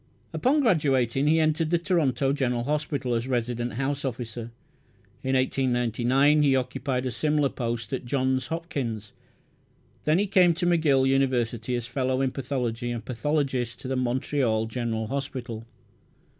Upon graduating he entered the Toronto General Hospital as resident house officer; in 1899 he occupied a similar post at Johns Hopkins. Then he came to McGill University as fellow in pathology and pathologist to the Montreal General Hospital.